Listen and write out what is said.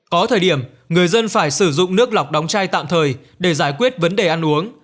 có thời điểm người dân phải sử dụng nước lọc đóng chai tạm thời để giải quyết vấn đề ăn uống